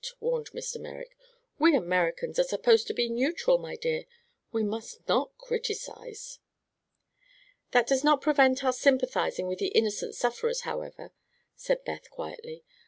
warned Mr. Merrick; "we Americans are supposed to be neutral, my dear. We must not criticize." "That does not prevent our sympathizing with the innocent sufferers, however," said Beth quietly.